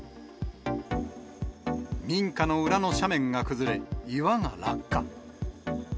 民家の裏の斜面が崩れ、岩が落下。